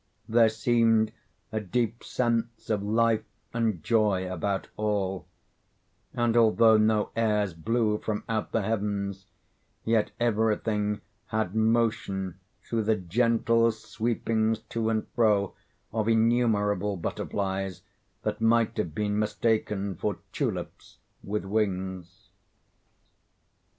There seemed a deep sense of life and joy about all; and although no airs blew from out the heavens, yet every thing had motion through the gentle sweepings to and fro of innumerable butterflies, that might have been mistaken for tulips with wings.